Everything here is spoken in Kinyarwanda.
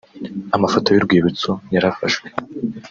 Amafoto y'urwibutso yarafashwe